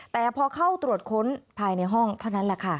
แต่พอเข้าตรวจค้นภายในห้องเท่านั้นแหละค่ะ